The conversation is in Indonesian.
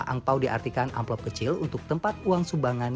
angpau diartikan amplop kecil untuk tempat uang sumbangan